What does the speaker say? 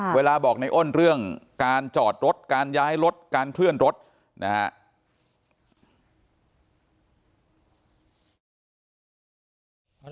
เวลาบอกในอ้นเรื่องการจอดรถการย้ายรถการเคลื่อนรถนะครับ